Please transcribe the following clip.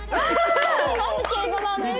なんで敬語なんですか？